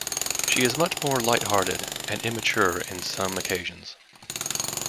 She is much more light-hearted and immature in some occasions.